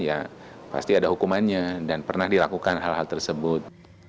ya pasti ada hukumannya dan pernah dilakukan hal hal tersebut